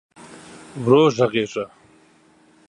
ورو ږغېږه !